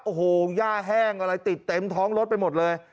โอ้โหย่าแห้งอะไรติดเต็มท้องรถไปหมดเลย